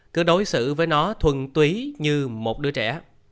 cứ đối xử với nó thuần túy như một đứa trẻ